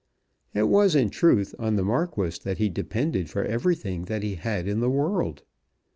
It was in truth on the Marquis that he depended for everything that he had in the world.